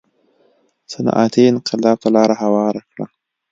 صنعتي انقلاب ته لار هواره کړه.